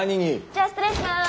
じゃあ失礼します。